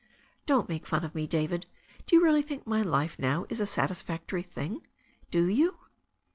"Don't make fun of me, David. Do you really think my life now is a satisfactory thing ? Do you